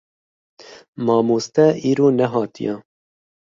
Mamoste îro nehatiye.